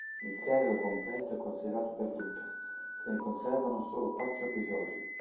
Il serial completo è considerato perduto; se ne conservano solo quattro episodi.